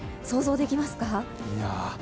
想像できますか？